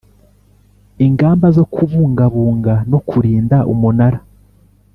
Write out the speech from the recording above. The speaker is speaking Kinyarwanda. Ingamba zo kubungabunga no kurinda umunara